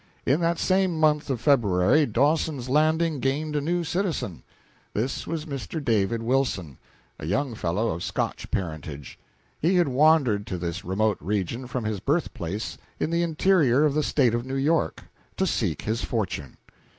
In that same month of February, Dawson's Landing gained a new citizen. This was Mr. David Wilson, a young fellow of Scotch parentage. He had wandered to this remote region from his birthplace in the interior of the State of New York, to seek his fortune.